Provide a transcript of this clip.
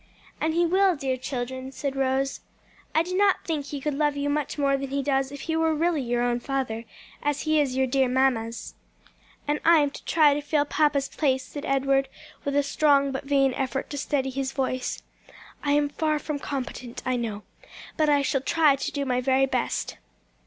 "And he will, dear children," said Rose. "I do not think he could love you much more than he does if he were really your own father, as he is your dear mamma's." "And I am to try to fill papa's place," said Edward, with a strong but vain effort to steady his voice. "I am far from competent, I know, but I shall try to do my very best."